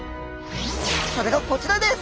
それがこちらです。